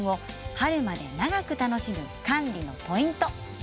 春まで長く楽しむ管理のポイント。